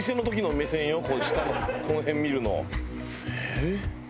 下この辺見るの。